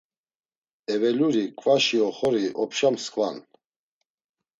Eveluri kvaşi oxori opşa mskva'n.